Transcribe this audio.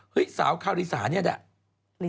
เฮ้ยสาวคาริสาเนี่ยแหละ